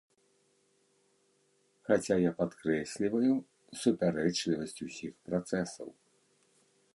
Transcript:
Хаця я падкрэсліваю супярэчлівасць усіх працэсаў.